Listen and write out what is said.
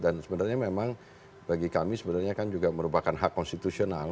dan sebenarnya memang bagi kami sebenarnya kan juga merupakan hak konstitusional